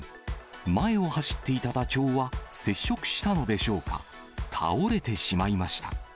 前を走っていたダチョウは接触したのでしょうか、倒れてしまいました。